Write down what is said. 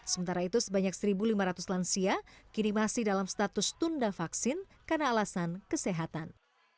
sementara itu sebanyak satu lima ratus lansia kini masih dalam status tunda vaksin karena alasan kesehatan